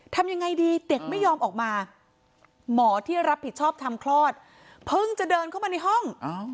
ทำยังไงดีเด็กไม่ยอมออกมาหมอที่รับผิดชอบทำคลอดเพิ่งจะเดินเข้ามาในห้อง